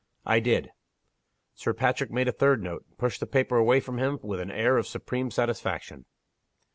"I did." Sir Patrick made a third note, and pushed the paper away from him with an air of supreme satisfaction.